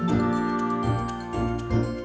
ska diatur saja pak